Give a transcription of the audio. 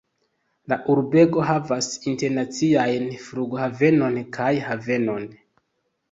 La urbego havas internaciajn flughavenon kaj havenon.